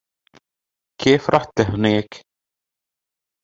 كيف رحت لهونيك ؟